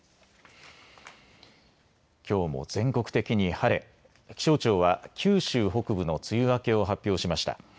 きょうも全国的に晴れ気象庁は九州北部の梅雨明けを発表しました。